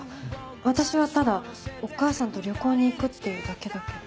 私はただお母さんと旅行に行くっていうだけだけど。